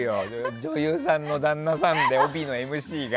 女優さんの旦那さんで帯のＭＣが。